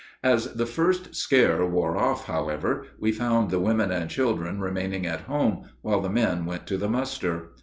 As the first scare wore off, however, we found the women and children remaining at home, while the men went to the muster.